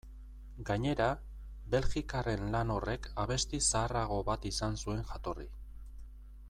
Gainera, belgikarren lan horrek abesti zaharrago bat izan zuen jatorri.